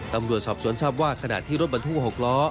ตำรวจสอบสวนทราบว่าขณะที่รถบรรทุก๖ล้อ